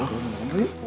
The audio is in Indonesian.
tunggu di depan ya